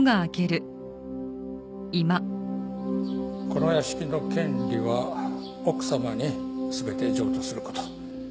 この屋敷の権利は奥様に全て譲渡すること。